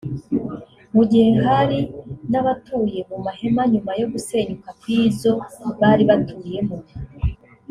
mu gihe hari n’abatuye mu mahema nyuma yo gusenyuka kw’izo bari batuyemo